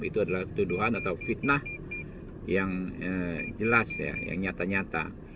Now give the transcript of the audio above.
itu adalah tuduhan atau fitnah yang jelas ya yang nyata nyata